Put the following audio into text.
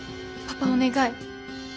パパお願い。